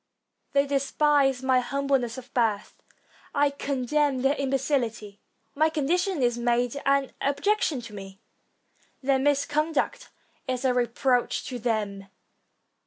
They despise my humble ness of birth ; I contemn their imbecility. My condition is made an objection to me; their misconduct is a re proach to them.